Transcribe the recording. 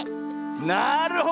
なるほど！